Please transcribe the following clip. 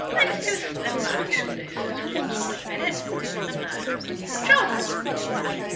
Let's just imagine this is Rhodes for a minute: and now jump!"